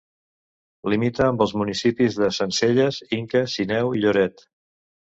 Limita amb els municipis de Sencelles, Inca, Sineu i Lloret.